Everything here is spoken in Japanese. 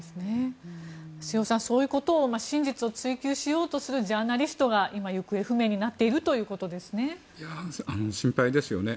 瀬尾さん、そういうことを真実を追求しようとするジャーナリストが今、行方不明になっているということですね。